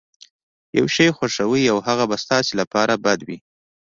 يو شی خوښوئ او هغه به ستاسې لپاره بد وي.